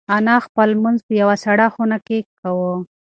انا خپل لمونځ په یوه سړه خونه کې کاوه.